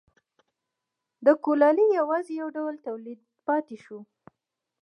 د کولالۍ یوازې یو ډول تولید پاتې شو.